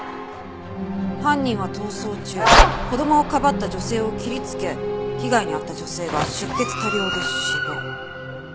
犯人は逃走中子供をかばった女性を切りつけ被害に遭った女性は出血多量で死亡。